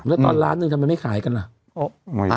แล้วตอนล้านหนึ่งทำไมไม่ขายกันล่ะ